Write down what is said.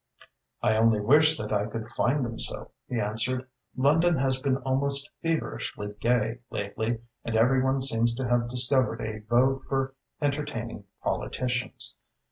"I only wish that I could find them so," he answered. "London has been almost feverishly gay lately and every one seems to have discovered a vogue for entertaining politicians.